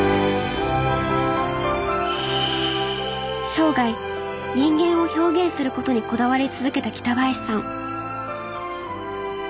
生涯人間を表現することにこだわり続けた北林さん。